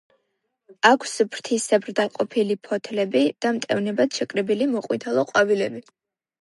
აქვს ფრთისებრ დაყოფილი ფოთლები და მტევნებად შეკრებილი მოყვითალო ყვავილები.